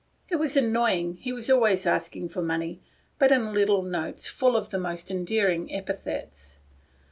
It was annoying— he was always asking for money, in little notes full of the most endearing epithets.